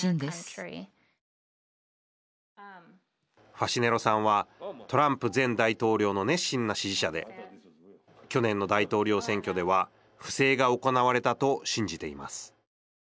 ファシネロさんはトランプ前大統領の熱心な支持者で去年の大統領選挙では不正が行われたと信じています。